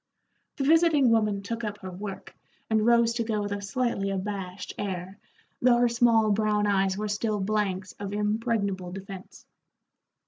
The visiting woman took up her work, and rose to go with a slightly abashed air, though her small brown eyes were still blanks of impregnable defence.